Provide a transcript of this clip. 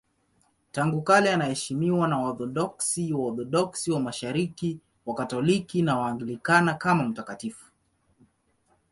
Tangu kale anaheshimiwa na Waorthodoksi, Waorthodoksi wa Mashariki, Wakatoliki na Waanglikana kama mtakatifu.